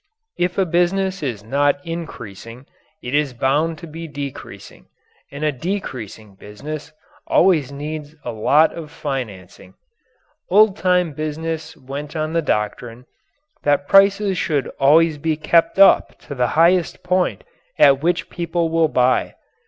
If a business is not increasing, it is bound to be decreasing, and a decreasing business always needs a lot of financing. Old time business went on the doctrine that prices should always be kept up to the highest point at which people will buy.